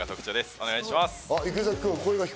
お願いします。